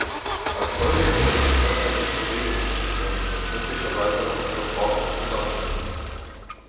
Als Folge ändern die Körper ihren Bewegungszustand, möglicherweise auch ihre Form und Zusammensetzung.